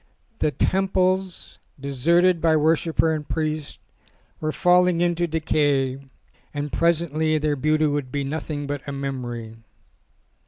The temples, deserted by worshipper and priest, were falling into decay and presently their beauty would be nothing but a memory.